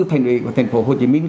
thành lý của thành phố hồ chí minh